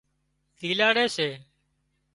زيلاڙي سي